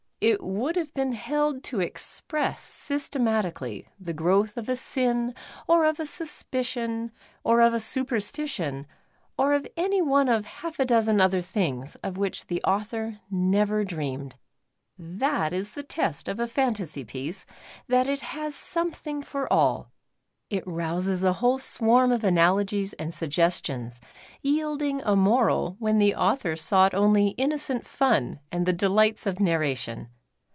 It would have been held to express systematically the growth of a sin or of a suspicion or of a superstition, or of any one of half a dozen other things of which the author never dreamed. That is the test of a fantasy piece, that it has something for all ; it rouses a whole swarm of analogies and suggestions, yielding a moral when the author sought only innocent fun and the delights of narration.